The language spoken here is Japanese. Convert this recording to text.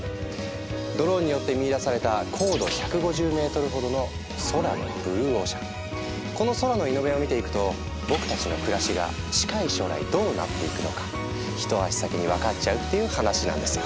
ドローンによって見いだされたこの空のイノベを見ていくと僕たちの暮らしが近い将来どうなっていくのか一足先に分かっちゃうっていう話なんですよ。